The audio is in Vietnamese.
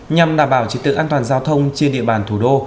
nhằm đảm bảo trí tượng an toàn giao thông trên địa bàn thủ đô